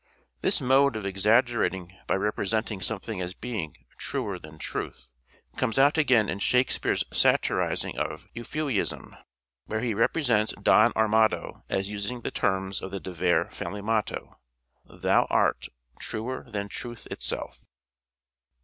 This mode of exaggerating by representing something as being " truer than truth " comes out again in Shakespeare's satirizing of Euphuism, where he repre SUPPLEMENTARY EVIDENCE 533 sents Don Armado as using the terms of the De Vere family motto : "Thou art ... truer than truth itself."